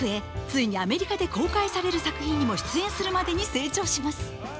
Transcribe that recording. ついにアメリカで公開される作品にも出演するまでに成長します。